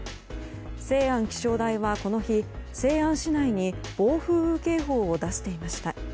西安気象台はこの日、西安市内に暴風雨警報を出していました。